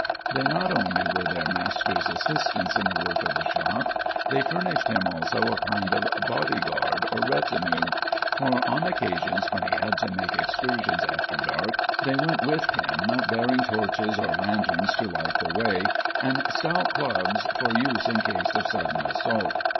They not only were their master's assistants in the work of the shop; they furnished him also a kind of body guard, or retinue,—for on occasions when he had to make excursions after dark they went with him, bearing torches or lanterns to light the way, and stout clubs, for use in case of sudden assault.